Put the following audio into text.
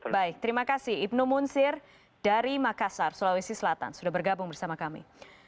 baik terima kasih ibnu munsir dari makassar sulawesi selatan sudah bergabung bersama kami